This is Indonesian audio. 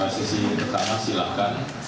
sesi pertama silakan